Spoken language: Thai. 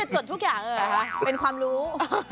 จดทุกอย่างเลยเหรอคะเป็นความรู้